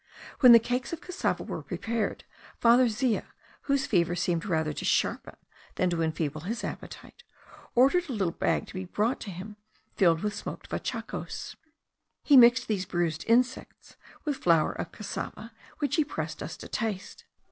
When the cakes of cassava were prepared, Father Zea, whose fever seemed rather to sharpen than to enfeeble his appetite, ordered a little bag to be brought to him filled with smoked vachacos. He mixed these bruised insects with flour of cassava, which he pressed us to taste.